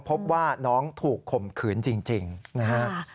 พบว่าน้องถูกข่มขืนจริงนะฮะ